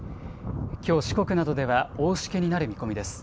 きょう、四国などでは大しけになる見込みです。